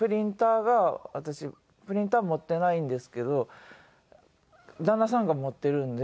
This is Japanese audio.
私プリンター持っていないんですけど旦那さんが持っているんで。